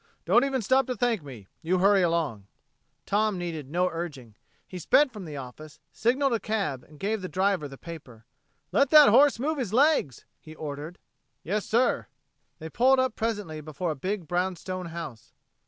Don't even stop to thank me you hurry along." Tom needed no urging. He sped from the office, signaled a cab and gave the driver the paper. "Let that horse move his legs," he ordered. "Yes, sir." They pulled up presently before a big brownstone house.